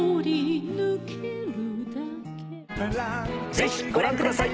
ぜひご覧ください。